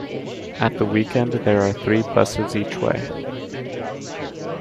At the weekend there are three buses each way.